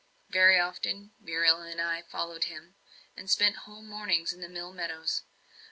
Very often Muriel and I followed him, and spent whole mornings in the mill meadows.